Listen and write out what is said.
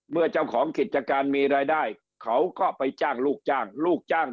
เจ้าของกิจการมีรายได้เขาก็ไปจ้างลูกจ้างลูกจ้าง